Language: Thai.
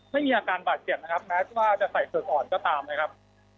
ไม่มีอาการบาดเจ็บนะครับแม้ว่าจะใส่เผือกอ่อนก็ตามนะครับ